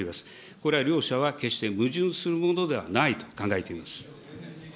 これは両者は決して矛盾するものではないと考えております。